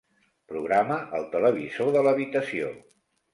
Programa el televisor de l'habitació.